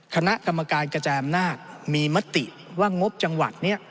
คณะกรรมการกระจายอำนาจมีมติว่างบจังหวัดนี้